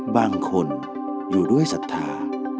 บางคนอยู่ด้วยศรัทธา